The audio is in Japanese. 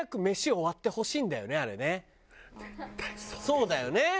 そうだよね。